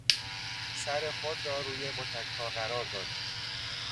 سر خود را روی متکا قرار داد.